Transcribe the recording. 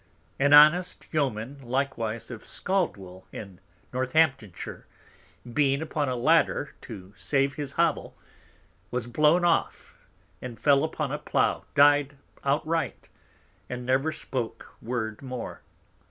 An honest Yeoman likewise of Scaldwel in Northamptonshire, being upon a Ladder to save his Hovel, was blown off, and fell upon a Plough, died outright, and never spoke Word more.